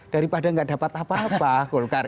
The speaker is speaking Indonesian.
daripada nggak dapat apa apa golkar